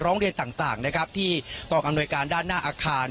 ร้องเรียนต่างเกือบให้เกิดเกดซากต่างที่ต่อกำหนดงานอาคาร